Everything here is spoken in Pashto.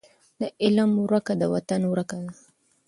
د علم ورکه د وطن ورکه ده.